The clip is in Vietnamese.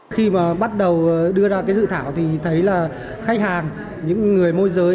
khi mà bắt đầu đưa ra cái dự thảo thì thấy là khách hàng những người môi giới